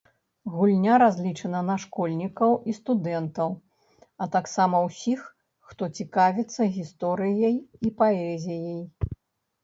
Гульня разлічана на школьнікаў і студэнтаў, а таксама ўсіх, хто цікавіцца гісторыяй і паэзіяй.